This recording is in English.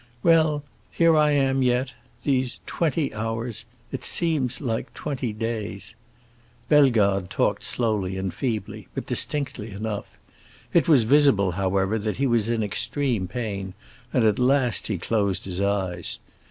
Well, here I am yet—these twenty hours. It seems like twenty days." Bellegarde talked slowly and feebly, but distinctly enough. It was visible, however, that he was in extreme pain, and at last he closed his eyes.